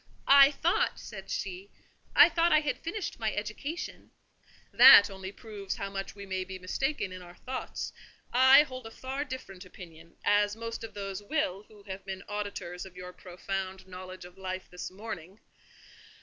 "I thought," said she, "I thought I had finished my education—" "That only proves how much we may be mistaken in our thoughts. I hold a far different opinion, as most of these will who have been auditors of your profound knowledge of life this morning.